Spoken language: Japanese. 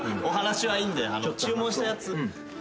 お話はいいんで注文したやつ。